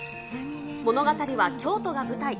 物語は京都が舞台。